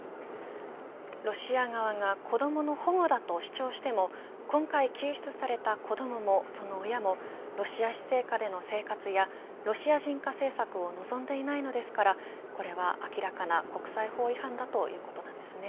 ロシア側が子どもの保護だと主張しても今回救出された子どももその親もロシア施政下での生活やロシア人化政策を望んでいないのですからこれは明らかな国際法違反だということですね。